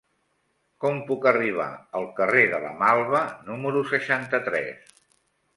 Com puc arribar al carrer de la Malva número seixanta-tres?